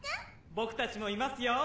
「僕たちもいますよ」